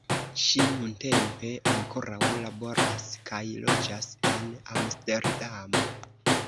Ŝi nuntempe ankoraŭ laboras kaj loĝas en Amsterdamo.